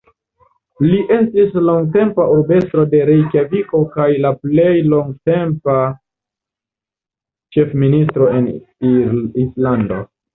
Li estis longtempa urbestro de Rejkjaviko kaj la plej longtempa ĉefministro en Islando.